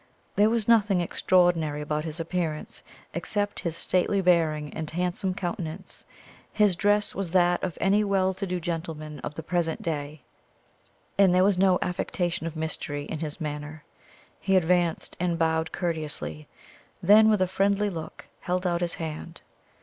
There was nothing extraordinary about his appearance except his stately bearing and handsome countenance; his dress was that of any well to do gentleman of the present day, and there was no affectation of mystery in his manner. He advanced and bowed courteously; then, with a friendly look, held out his hand.